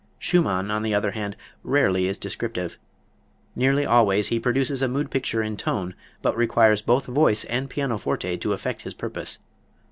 Schumann, on the other hand, rarely is descriptive. Nearly always he produces a mood picture in tone, but requires both voice and pianoforte to effect his purpose.